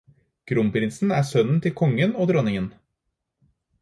Kronprinsen er sønnen til kongen og dronningen.